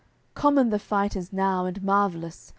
CIV Common the fight is now and marvellous.